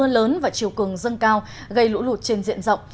lớn và chiều cường dân cao gây lũ lụt trên diện rộng